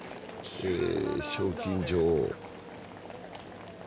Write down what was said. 賞金女王。